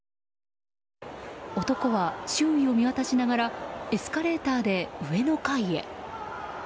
男は周囲を見渡しながらエスカレーターで上の階へ。